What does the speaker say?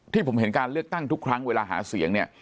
ที่ผมเห็นการเลือกตั้งทุกครั้งเวลาหาเสียงเนี่ย